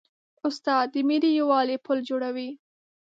استاد د ملي یووالي پل جوړوي.